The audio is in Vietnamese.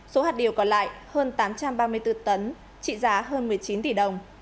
số hạt điều còn lại hơn tám trăm ba mươi bốn tấn trị giá hơn một mươi chín tỷ đồng